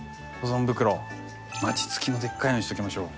マチ付きのでっかいのにしときましょう。